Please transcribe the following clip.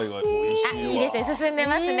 あいいですね。